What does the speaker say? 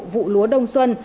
vụ lúa đông xuân